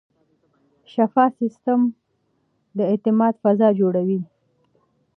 شفاف سیستم د اعتماد فضا جوړوي.